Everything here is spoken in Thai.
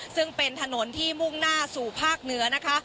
ซึ่งเป็นถนนที่มุ่งหน้าสู่ภาคเหนือนะคะ